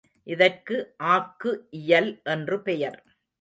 இதற்கு ஆக்கு இயல் என்று பெயர்.